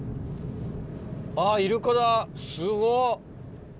あイルカだすごっ。